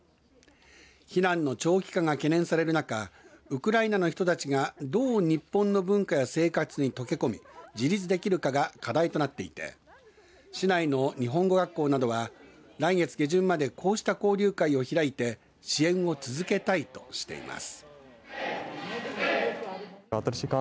避難の長期化が懸念される中ウクライナの人たちがどう日本の文化や生活に溶け込み、自立できるかが課題となっていて市内の日本語学校などは来月下旬までこうした交流会を開いて支援を続けたいとしています。